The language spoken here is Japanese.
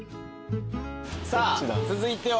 さあ続いては？